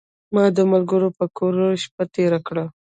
ما د ملګري په کور کې شپه تیره کړه .